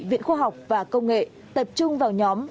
viện khoa học và công nghệ tập trung vào nhóm